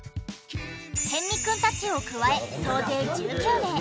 逸見くんたちを加え総勢１９名。